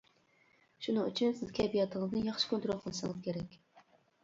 شۇنىڭ ئۈچۈن سىز كەيپىياتىڭىزنى ياخشى كونترول قىلىشىڭىز كېرەك.